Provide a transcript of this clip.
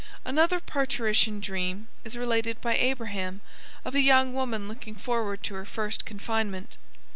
Another parturition dream is related by Abraham of a young woman looking forward to her first confinement.